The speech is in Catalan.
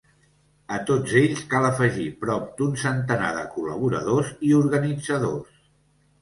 A tots ells, cal afegir prop d’un centenar de col·laboradors i organitzadors.